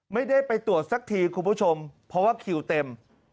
ไม่ได้ไปตรวจสักทีคุณผู้ชมเพราะว่าคิวเต็ม